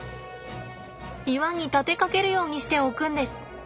岩に立てかけるようにして置くんです。